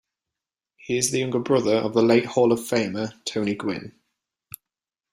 He is the younger brother of the late Hall of Famer Tony Gwynn.